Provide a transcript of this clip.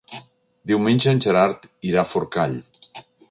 Diumenge en Gerard irà a Forcall.